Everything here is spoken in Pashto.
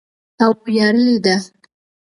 او ویاړلې ده.